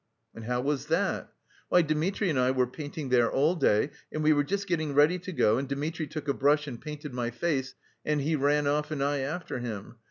'And how was that?' 'Why, Dmitri and I were painting there all day, and we were just getting ready to go, and Dmitri took a brush and painted my face, and he ran off and I after him.